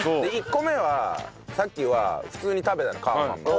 １個目はさっきは普通に食べたの皮のまんま。